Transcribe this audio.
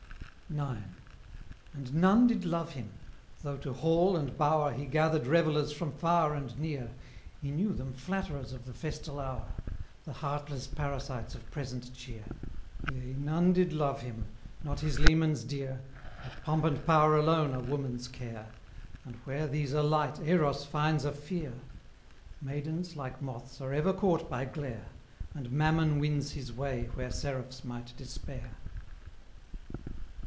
IX. And none did love him: though to hall and bower He gathered revellers from far and near, He knew them flatterers of the festal hour; The heartless parasites of present cheer. Yea, none did love him not his lemans dear But pomp and power alone are woman's care, And where these are light Eros finds a feere; Maidens, like moths, are ever caught by glare, And Mammon wins his way where seraphs might despair. X.